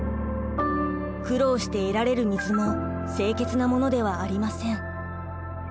苦労して得られる水も清潔なものではありません。